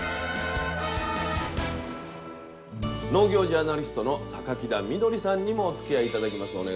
農業ジャーナリストの榊田みどりさんにもおつきあい頂きます。